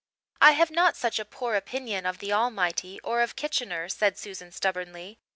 "I have not such a poor opinion of the Almighty, or of Kitchener," said Susan stubbornly.